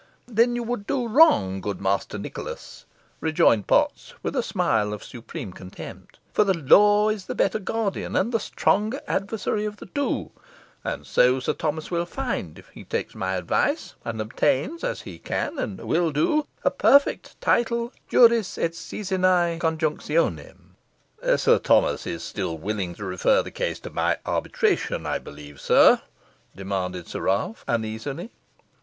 "Then you would do wrong, good Master Nicholas," rejoined Potts, with a smile of supreme contempt; "for the law is the better guardian and the stronger adversary of the two, and so Sir Thomas will find if he takes my advice, and obtains, as he can and will do, a perfect title juris et seisinæ conjunctionem." "Sir Thomas is still willing to refer the case to my arbitrament, I believe, sir?" demanded Sir Ralph, uneasily.